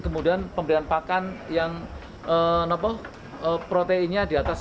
kemudian pemberian pakan yang proteinnya di atas empat belas